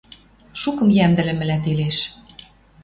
Шукым йӓмдӹлӹмлӓ телеш